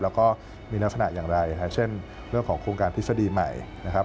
แล้วก็มีลักษณะอย่างไรเช่นเรื่องของโครงการทฤษฎีใหม่นะครับ